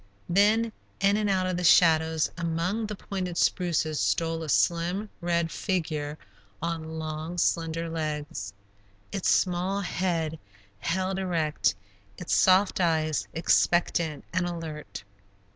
Then, in and out of the shadows, among the pointed spruces, stole a slim, red figure on long, slender legs, its small head held erect, its soft eyes expectant and alert.